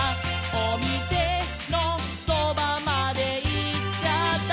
「おみせのそばまでいっちゃった」